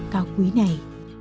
cao quý này